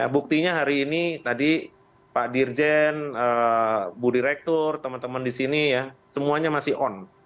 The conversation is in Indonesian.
buktinya hari ini tadi pak dirjen bu direktur teman teman di sini ya semuanya masih on